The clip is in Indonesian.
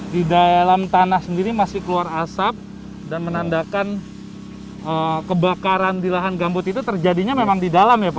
di dalam tanah sendiri masih keluar asap dan menandakan kebakaran di lahan gambut itu terjadinya memang di dalam ya pak